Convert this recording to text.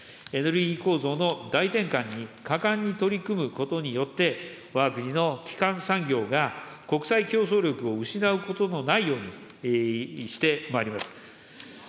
エネルギー構造の大転換に果敢に取り組むことによって、わが国の基幹産業が国際競争力を失うことのないようにしてまいります。